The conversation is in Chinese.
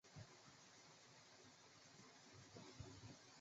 横纹寡毛叶蚤为金花虫科寡毛叶蚤属下的一个种。